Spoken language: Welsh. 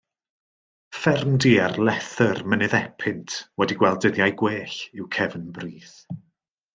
Ffermdy ar lethr mynydd Epynt, wedi gweld dyddiau gwell, yw Cefn Brith.